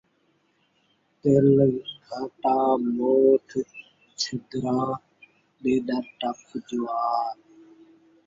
تِل گھاٹا، موٹھ چھدرا، ݙیݙر ٹپ جوار